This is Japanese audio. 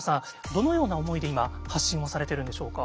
どのような思いで今発信をされてるんでしょうか？